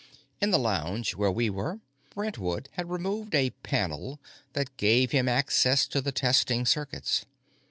In the lounge, where we were, Brentwood had removed a panel that gave him access to the testing circuits.